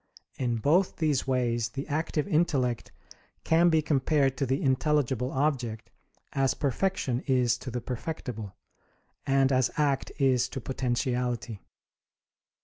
In both these ways the active intellect can be compared to the intelligible object as perfection is to the perfectible, and as act is to potentiality.